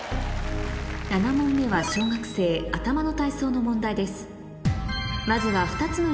７問目は小学生頭の体操の問題です